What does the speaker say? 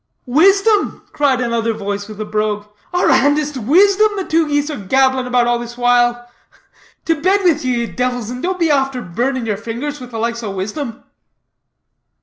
"Wisdom?" cried another voice with a brogue; "arrah and is't wisdom the two geese are gabbling about all this while? To bed with ye, ye divils, and don't be after burning your fingers with the likes of wisdom."